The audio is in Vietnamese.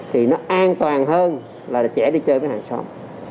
thì nó an toàn hơn là trẻ đi chơi với hàng xóm